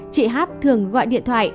chị h thường gọi điện thoại